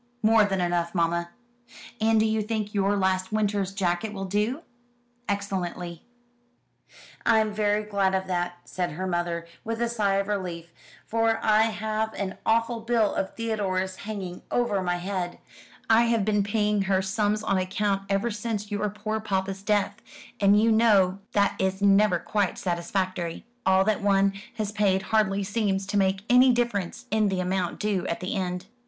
"More than enough, mamma." "And do you think your last winter's jacket will do?" "Excellently." "I'm very glad of that," said her mother, with a sigh of relief, "for I have an awful bill of Theodore's hanging over my head. I have been paying her sums on account ever since your poor papa's death; and you know that is never quite satisfactory. All that one has paid hardly seems to make any difference in the amount due at the end."